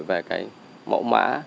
về cái mẫu mã